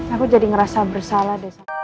aku jadi ngerasa bersalah